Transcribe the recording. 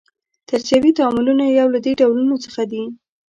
تجزیوي تعاملونه یو له دې ډولونو څخه دي.